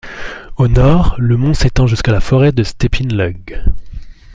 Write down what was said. Au nord, le mont s'étend jusque dans la forêt de Stepin Lug.